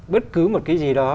bất cứ một cái gì đó